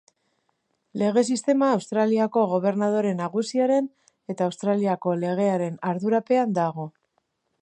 Lege sistema Australiako gobernadore nagusiaren eta Australiako legearen ardurapean dago.